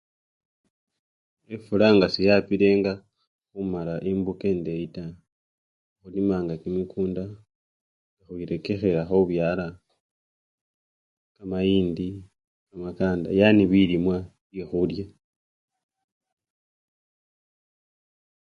Efula nga seyapilenga khumala embuka endeyi taa, khulimanga kimikunda nga khwirekekhela khubyala kamayindi, kamakanda yani bilimwa bye khulya.